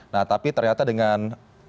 nah tapi ternyata dengan